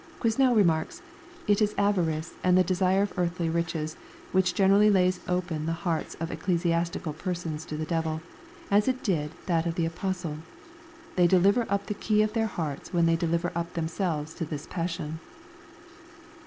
] Quesnel remarks, " It is avarice and the desire of earthly riches, whica generally lays open the hearts of ecclesiastical persons to the devil, as it did that of the apostle, They deliver up th^ key of their hearts when they deliver up themselves to this passion."